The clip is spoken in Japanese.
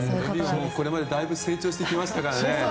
これまでだいぶ成長してきましたからね。